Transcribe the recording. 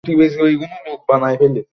তাদের এক ছেলে ও তিন মেয়ে।